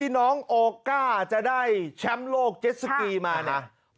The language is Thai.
น้องโอก้าจะได้แชมป์โลกเจ็ดสกีมานะ